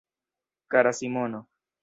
Kara Simono.